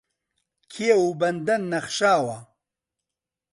کێو و بەندەن نەخشاوە